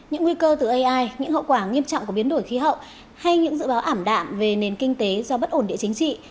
những nguy cơ từ ai những hậu quả nghiêm trọng của biến đổi khí hậu hay những dự báo ảm đạm về nền kinh tế do bất ổn địa chính trị